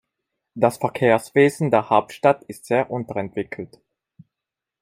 Das Verkehrswesen der Hauptstadt ist sehr unterentwickelt.